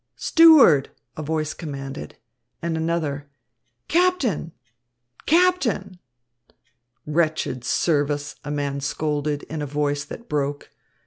Steward!" a voice commanded; and another, "Captain! Captain!" "Wretched service!" a man scolded in a voice that broke.